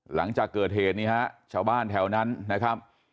หลังจากเกิดเหตุนี้ฮะชาวบ้านแถวนั้นนะครับ